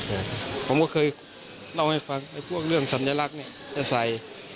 แต่ผมก็เคยเล่าให้ฟังไอ้พวกเรื่องสัญลักษณ์เนี่ยจะใส่